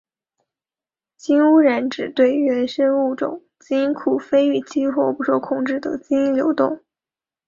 基因污染指对原生物种基因库非预期或不受控制的基因流动。